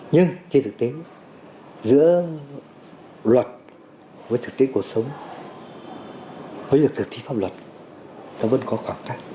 nhưng trên thực tế giữa luật với thực tế cuộc sống với việc thực thi pháp luật nó vẫn có khoảng cách